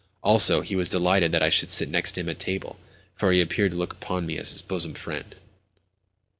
Also, he was delighted that I should sit next him at table, for he appeared to look upon me as his bosom friend.